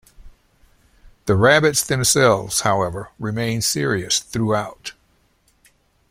The rabbits themselves, however, remain serious throughout.